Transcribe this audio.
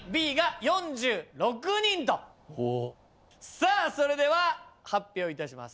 さあそれでは発表いたします。